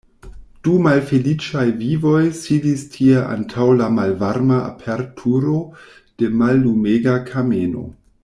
Du malfeliĉaj vivoj sidis tie antaŭ la malvarma aperturo de mallumega kameno.